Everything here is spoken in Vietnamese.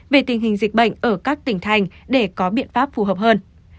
về tình hình dịch bệnh ở các tỉnh thành để có biện pháp phù hợp hơn